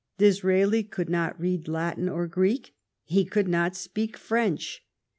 Disraeli could not read Latin or Greek; he could not speak French.